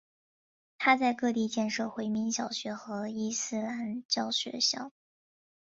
他在各地建设回民小学和伊斯兰教学校。